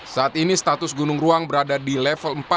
saat ini status gunung ruang berada di level empat